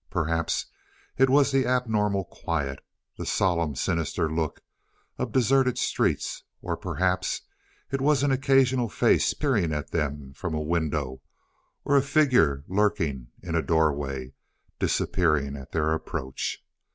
Perhaps it was the abnormal quiet that solemn sinister look of deserted streets; or perhaps it was an occasional face peering at them from a window, or a figure lurking in a doorway disappearing at their approach.